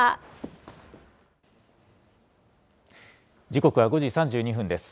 時刻は５時３２分です。